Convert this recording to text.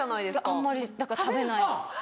あんまり食べないです。